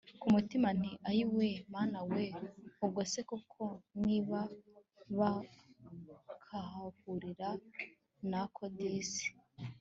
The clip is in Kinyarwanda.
kumutima nti ayiweee mana we! ubwo se koko nibaza bakahahurira nako disi